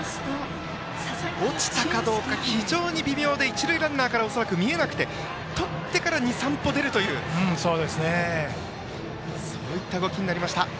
落ちたかどうか、非常に微妙で一塁ランナーからは恐らく見えなくてとってから、２３歩出るというそういった動きになりました。